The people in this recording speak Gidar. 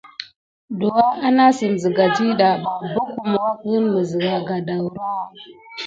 Douwa anasime siga ɗida bukun wakula siga mis gedaouraha.